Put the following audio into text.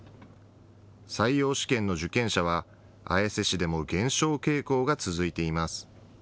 採用試験の受験者は綾瀬市でも減少傾向が続いています。